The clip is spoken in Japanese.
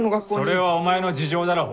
それはお前の事情だろう？